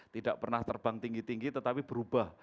tidak pernah terbang tinggi tinggi tetapi berubah